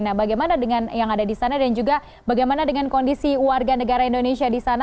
nah bagaimana dengan yang ada di sana dan juga bagaimana dengan kondisi warga negara indonesia di sana